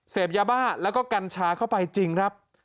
เสพยาบ้าแล้วก็กัญชาเข้าไปจริงครับ